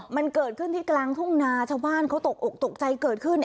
มันเกิดขึ้นที่กลางทุ่งนาชาวบ้านเขาตกอกตกใจเกิดขึ้น